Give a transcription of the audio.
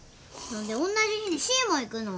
そんでおんなじ日にシーも行くの。